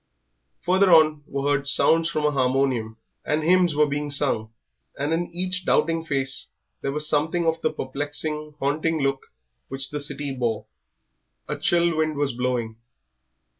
Further on were heard sounds from a harmonium, and hymns were being sung, and in each doubting face there was something of the perplexing, haunting look which the city wore. A chill wind was blowing.